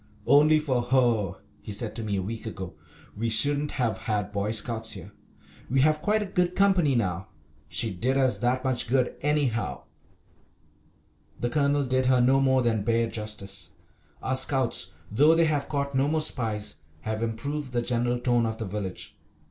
"Only for her," he said to me a week ago, "we shouldn't have had Boy Scouts here. We have quite a good company now. She did us that much good, anyhow." The Colonel did her no more than bare justice. Our Scouts, though they have caught no more spies, have improved the general tone of the village.